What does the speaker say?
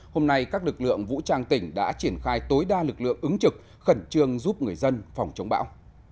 hôm nay các lực lượng vũ trang tỉnh đã triển khai tối đa lực lượng ứng trực khẩn trương giúp người dân phòng chống bão